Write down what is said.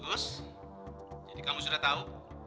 terus jadi kamu sudah tahu